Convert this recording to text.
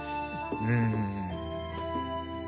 うん。